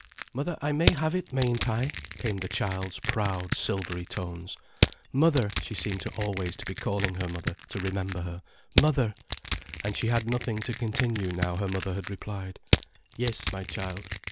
"Mother", I may have it, mayn't I?" came the child's proud, silvery tones. "Mother"—she seemed always to be calling her mother to remember her—"mother"—and she had nothing to continue now her mother had replied "Yes, my child."